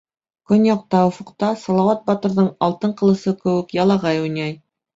Көньяҡта, офоҡта, Салауат батырҙың алтын ҡылысы кеүек, ялағай уйнай.